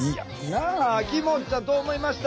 あきもっちゃんどう思いました？